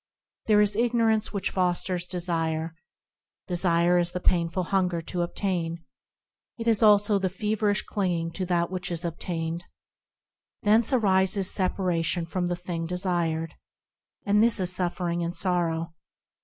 There is ignorance which fosters desire ; Desire is the painful hunger to obtain; It is also the feverish clinging to that which is obtained; Thence arises separation from the thing desired, And this is suffering and sorrow.